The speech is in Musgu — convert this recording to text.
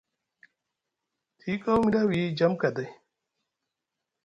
Tiyi kaw mi ɗa wiyi jam kaday.